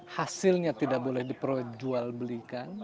hasilnya tidak boleh diperjual belikan